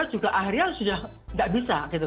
juga akhirnya sudah tidak bisa gitu